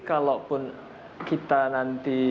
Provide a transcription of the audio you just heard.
kalau pun kita nanti